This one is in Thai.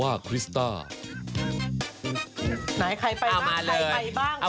ไหนใครไปบ้างใครไปบ้างค่ะ